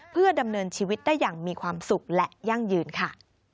เพื่อดำเนินชีวิตได้อย่างมีความสุขและยั่งยืนค่ะ